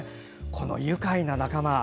この「愉快な仲間」。